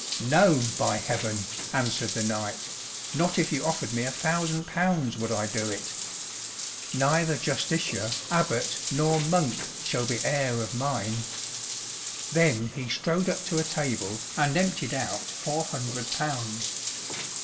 "No, by Heaven!" answered the knight, "not if you offered me a thousand pounds would I do it! Neither Justiciar, abbot, nor monk shall be heir of mine." Then he strode up to a table and emptied out four hundred pounds.